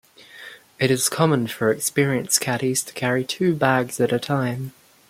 It is common for experienced caddies to carry two bags at a time.